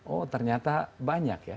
oh ternyata banyak ya